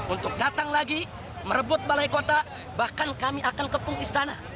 untuk datang lagi merebut balai kota bahkan kami akan kepung istana